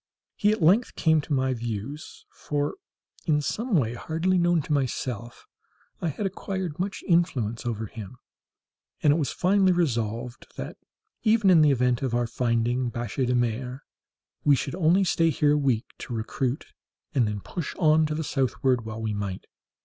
He at length came into my views (for in some way, hardly known to myself, I had acquired much influence over him), and it was finally resolved that, even in the event of our finding biche de mer, we should only stay here a week to recruit, and then push on to the southward while we might.